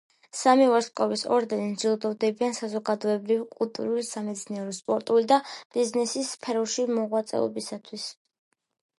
სამი ვარსკვლავის ორდენით ჯილდოვდებიან საზოგადოებრივი, კულტურული, სამეცნიერო, სპორტული და ბიზნესის სფეროში მოღვაწეობისათვის.